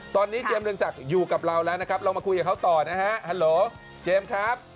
ตอนนี้เจมสเรืองศักดิ์อยู่กับเราแล้วนะครับเรามาคุยกับเขาต่อนะฮะฮัลโหลเจมส์ครับ